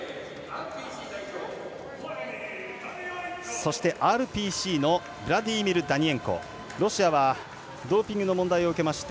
そして、ＲＰＣのブラディーミル・ダニレンコ。